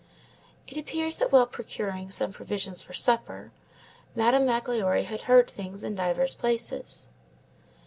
It appears that while procuring some provisions for supper, Madame Magloire had heard things in divers places.